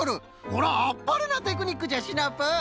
これはあっぱれなテクニックじゃシナプー！